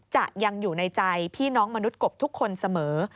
จะยังอยู่ในใจพี่น้องมนุษย์กบทุกคนเสมอ